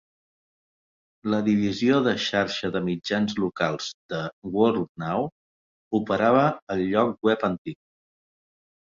La divisió de Xarxa de Mitjans Locals de WorldNow operava el lloc web antic.